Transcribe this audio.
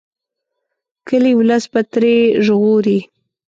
کلي ولس به ترې ژغوري.